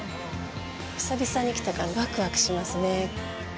久々に来たからワクワクしますね。